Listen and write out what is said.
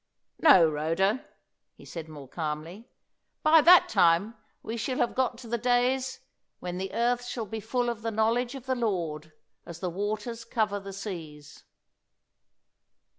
"No, Rhoda," he said more calmly. "By that time we shall have got to the days 'when the earth shall be full of the knowledge of the Lord as the waters cover the seas.'"